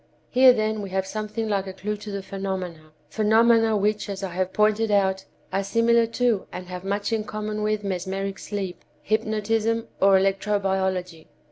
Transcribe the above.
"Here, then, we have something like a clue to the phenomena—phenomena which, as I have pointed out, are similar to and have much in common with mesmeric sleep, hypnotism or electro biology.